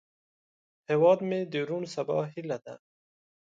هیواد مې د روڼ سبا هیله ده